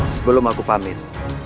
sebelum aku pamit